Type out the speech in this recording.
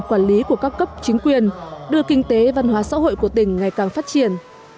quản lý của các cấp chính quyền đưa kinh tế văn hóa xã hội của tỉnh ngày càng phát triển